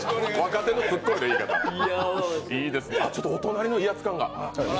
ちょっとお隣の威圧感が。